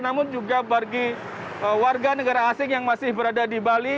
namun juga bagi warga negara asing yang masih berada di bali